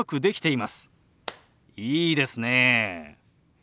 いいですねえ。